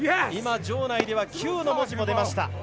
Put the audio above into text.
場内ではＱの文字も出ました。